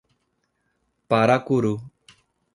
Paracuru